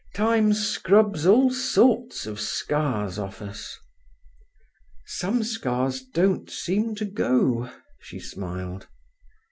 Time scrubs all sorts of scars off us." "Some scars don't seem to go," she smiled.